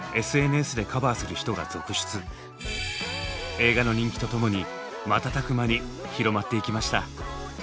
映画の人気とともに瞬く間に広まっていきました。